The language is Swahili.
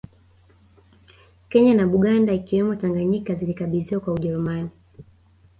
Kenya na Buganda ikiwemo na Tanganyika zilikabidhiwa kwa Ujerumani